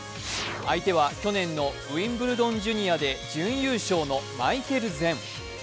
相手は去年のウィンブルドン・ジュニアで準優勝のマイケル・ゼン。